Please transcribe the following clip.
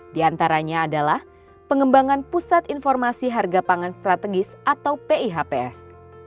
di antaranya adalah pengembangan pusat informasi harga pangan strategis atau pihps